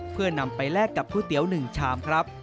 เพื่อนำไปแลกกับก๋วยเตี๋ยว๑ชามครับ